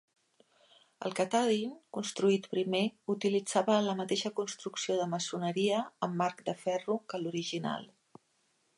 El Katahdin, construït primer, utilitzava la mateixa construcció de maçoneria amb marc de ferro que l'original.